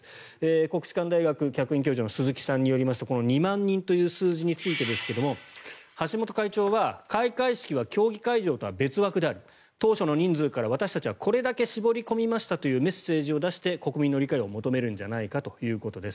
国士舘大学客員教授の鈴木さんによりますとこの２万人という数字についてですが、橋本会長は開会式は競技会場とは別枠である当初の人数から私たちはこれだけ絞り込みましたというメッセージを出して国民の理解を求めるんじゃないかということです。